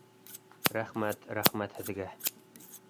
Рәхмәт, рәхмәт һеҙгә